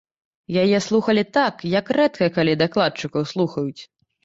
Яе слухалі так, як рэдка калі дакладчыкаў слухаюць.